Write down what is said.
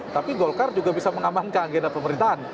tapi golkar juga bisa mengamankan agenda pemerintahan